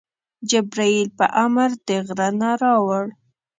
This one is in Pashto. جبریل په امر د غره نه راوړ.